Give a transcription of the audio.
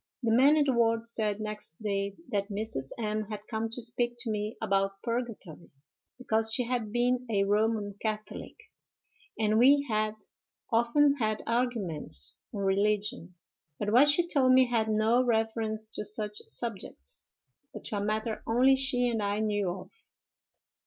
"'The men in the ward said, next day, that Mrs. M—— had come to speak to me about purgatory, because she had been a Roman catholic, and we had often had arguments on religion: but what she told me had no reference to such subjects, but to a matter only she and I knew of.